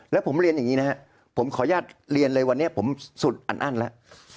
แล้วผมเรียนอย่างนี้นะครับผมขออนุญาตเรียนเลยวันนี้ผมสุดอันอั้นแล้ว